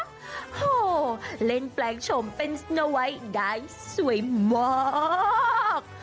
โหเล่นแปลงชมเป็นสเนอร์ไวท์ได้สวยมาก